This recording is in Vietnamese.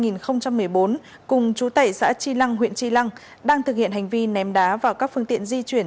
năm hai nghìn một mươi bốn cùng chú tẩy xã chi lăng huyện tri lăng đang thực hiện hành vi ném đá vào các phương tiện di chuyển